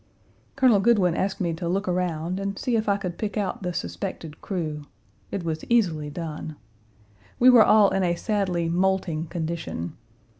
Colonel Goodwyn asked me to look around and see if I could pick out the suspected crew. It was easily done. We were all in a sadly molting condition.